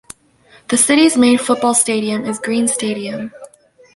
The city's main football stadium is Green Stadium.